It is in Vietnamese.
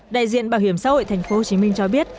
đại diện bảo hiểm xã hội tp hcm cho biết